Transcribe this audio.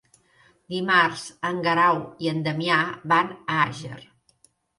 Dimarts en Guerau i en Damià van a Àger.